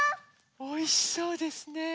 おいしそうですね。